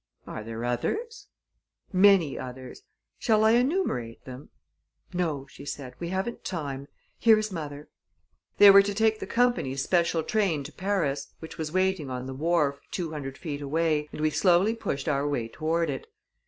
"Are there others?" "Many others. Shall I enumerate them?" "No," she said, "we haven't time. Here is mother." They were to take the company's special train to Paris, which was waiting on the wharf, two hundred feet away, and we slowly pushed our way toward it.